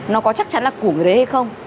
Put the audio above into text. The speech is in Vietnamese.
nó có chắc chắn là của người đấy hay không